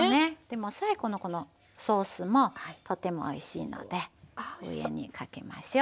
でも最後のこのソースもとてもおいしいので上にかけましょう。